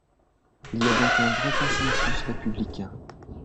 Il y a donc un vrai consensus républicain.